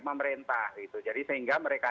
pemerintah gitu jadi sehingga mereka